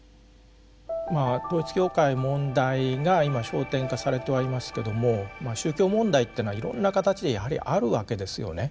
まあ統一教会問題が今焦点化されてはいますけども宗教問題っていうのはいろんな形でやはりあるわけですよね。